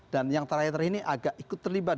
dan yang terakhir ini agak ikut terlibat